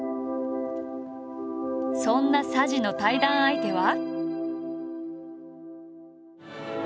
そんな佐治の対談相手は。